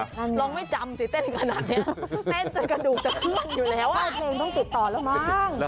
เราไม่จำสิเต้นกันนะเต้นจากกระดูกจากเครื่องอยู่แล้ว